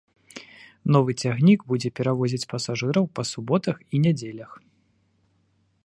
Новы цягнік будзе перавозіць пасажыраў па суботах і нядзелях.